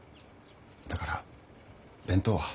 だから弁当は。